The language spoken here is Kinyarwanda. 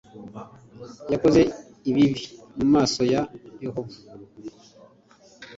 Yakoze ibibi mu maso ya Yehova